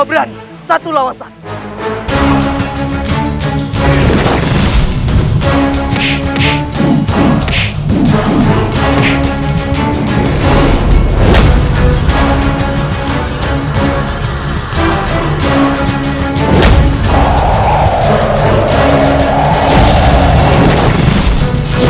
semoga allah selalu melindungi kita